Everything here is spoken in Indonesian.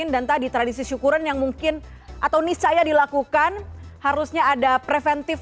dan tadi tradisi syukuran yang mungkin atau niscaya dilakukan harusnya ada preventif